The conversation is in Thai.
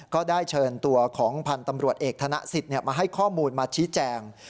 ก็ได้เชิญตัวของพันธ์ตำรวจเอกธนสิทธิ์มาให้ข้อมูลมาชี้แจง